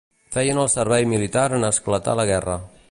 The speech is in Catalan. Feien el servei militar en esclatar la guerra